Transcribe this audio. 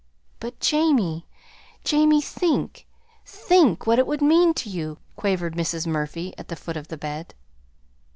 "But, Jamie, Jamie, think, THINK what it would mean to you!" quavered Mrs. Murphy, at the foot of the bed.